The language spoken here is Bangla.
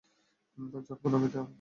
ঝটপট নামিয়ে দে আমাকে!